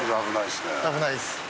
危ないですね。